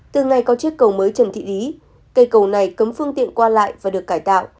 từ ngày có chiếc cầu mới trần thị ý cây cầu này cấm phương tiện qua lại và được cải tạo